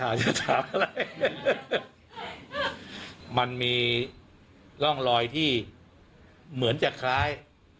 มันต้องมีการตั้งความสังเกตไปไว้ไว้เอ่อใครหรือว่ารู้รู้ว่านักขาจะถามอะไรมันมีล่องลอยที่เหมือนจะคล้าย